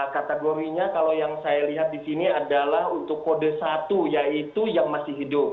kategorinya kalau yang saya lihat di sini adalah untuk kode satu yaitu yang masih hidup